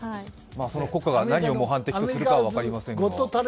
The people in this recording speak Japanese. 国家が何を模範的にするかは分かりませんが。